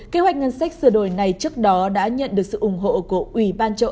kế hoạch ngân sách sửa đổi này trước đó đã nhận được sự ủng hộ của ủy ban châu âu